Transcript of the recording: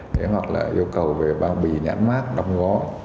thế hoặc là yêu cầu về bao bì nhãn mát đóng gói